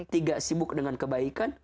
tiga sibuk dengan kebaikan